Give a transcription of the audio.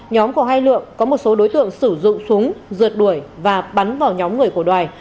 nhóm của hai lượng có một số đối tượng sử dụng súng rượt đuổi và bắn vào nhóm người của đoài